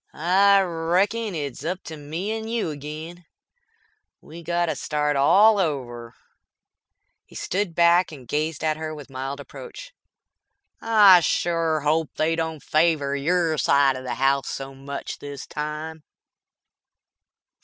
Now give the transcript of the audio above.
"I reckon it's up to me and you agin. We got to start all over." He stood back and gazed at her with mild reproach. "I shore hope they don't favor your side of the house so much this time."